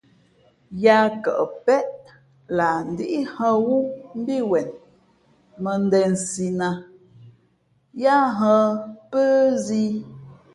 Yāā kαʼ péʼ lah ndíhᾱ wú mbí wen mᾱndēnsī nά ā yáá hᾱ pə́ zī.